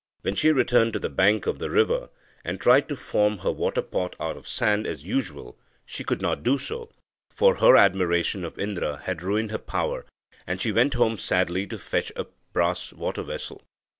When she returned to the bank of the river, and tried to form her water pot out of sand as usual, she could not do so, for her admiration of Indra had ruined her power, and she went home sadly to fetch a brass water vessel.